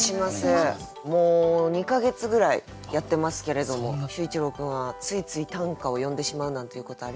もう２か月ぐらいやってますけれども秀一郎君はついつい短歌を詠んでしまうなんていうことありますか？